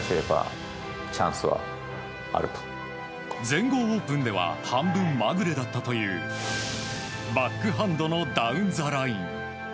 全豪オープンでは半分まぐれだったというバックハンドのダウンザライン。